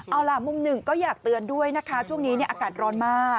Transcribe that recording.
เอาล่ะมุมหนึ่งก็อยากเตือนด้วยนะคะช่วงนี้อากาศร้อนมาก